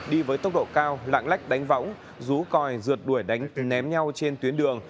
đi với tốc độ cao lạng lách đánh vóng rú coi rượt đuổi đánh ném nhau trên tuyến đường